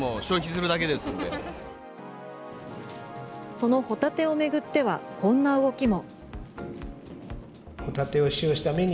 そのホタテを巡ってはこんな動きも。